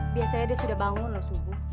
biasanya dia sudah bangun loh subuh